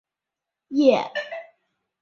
叶城沙蜥为鬣蜥科沙蜥属的爬行动物。